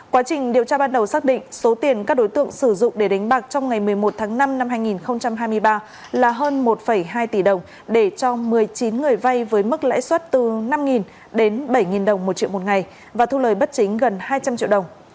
quá trình điều tra ban đầu xác định số tiền các đối tượng sử dụng để đánh bạc trong ngày một mươi một tháng năm năm hai nghìn hai mươi ba là hơn một hai tỷ đồng để cho một mươi chín người vay với mức lãi suất từ năm đến bảy đồng một triệu một ngày và thu lời bất chính gần hai trăm linh triệu đồng